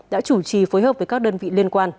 đã chủ trì phối hợp với các đơn vị liên quan